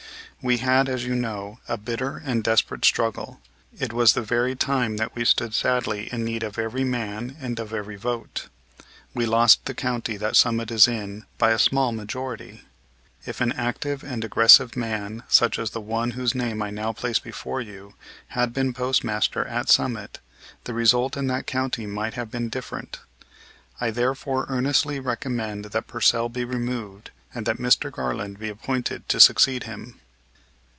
We had, as you know, a bitter and desperate struggle. It was the very time that we stood sadly in need of every man and of every vote. We lost the county that Summit is in by a small majority. If an active and aggressive man, such as the one whose name I now place before you, had been postmaster at Summit, the result in that County might have been different. I therefore earnestly recommend that Pursell be removed, and that Mr. Garland be appointed to succeed him."